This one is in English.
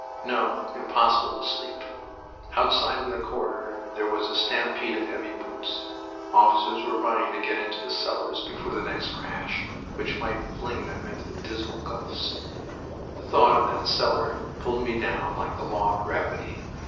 No, impossible to sleep! Outside in the corridor there was a stampede of heavy boots. Officers were running to get into the cellars before the next crash, which might fling them into the dismal gulfs. The thought of that cellar pulled me down like the law of gravity.